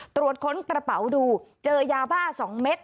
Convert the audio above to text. ตรวจค้นกระเป๋าดูเจอยาบ้า๒เม็ด